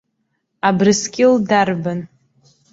Абрыскьыл дарбан?